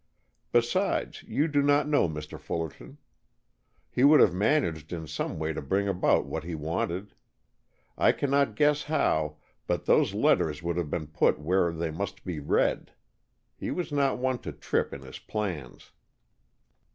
Besides, you do not know Mr. Fullerton. He would have managed in some way to bring about what he wanted. I cannot guess how, but those letters would have been put where they must be read. He was not one to trip in his plans."